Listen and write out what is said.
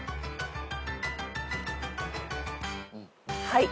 はい。